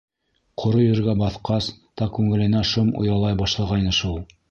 Ҡоро ергә баҫҡас та күңеленә шом оялай башлағайны шул.